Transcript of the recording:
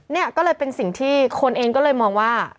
เนี่ยก็เลยเป็นสิ่งที่คนเองก็เลยมองว่า